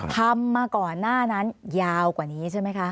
มาก่อนหน้านั้นยาวกว่านี้ใช่ไหมคะ